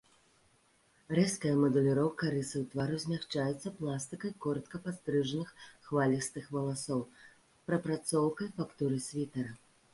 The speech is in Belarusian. Рэзкая мадэліроўка рысаў твару змякчаецца пластыкай коратка падстрыжаных хвалістых валасоў, прапрацоўкай фактуры світэра.